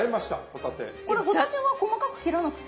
これ帆立ては細かく切らなくて。